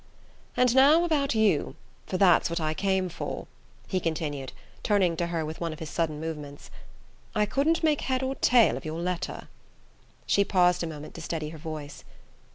"And now about you for that's what I came for," he continued, turning to her with one of his sudden movements. "I couldn't make head or tail of your letter." She paused a moment to steady her voice.